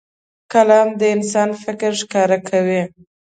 قلم د انسان فکر ښکاره کوي